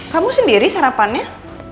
kamu sendiri sarapannya